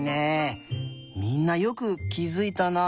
みんなよくきづいたな。